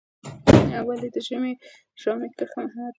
ولې د ژامې کرښه مهمه ده؟